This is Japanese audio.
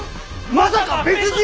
まさか別人！？